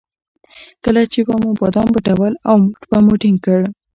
کله چې به مو بادام پټول او موټ به مو ټینګ کړ.